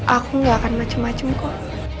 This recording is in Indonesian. aku nggak akan macem macem kok